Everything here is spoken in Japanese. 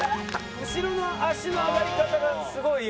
後ろの足の上がり方がすごいいいもんね。